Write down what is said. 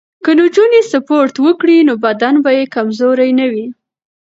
که نجونې سپورت وکړي نو بدن به یې کمزوری نه وي.